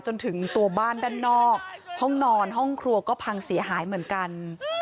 จนถึงตัวบ้านด้านนอกห้องนอนห้องครัวก็พังเสียหายเหมือนกัน